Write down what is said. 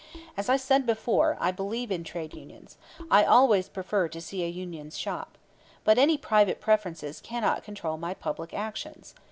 As I said before, I believe in trade unions. I always prefer to see a union shop. But any private preferences cannot control my public actions.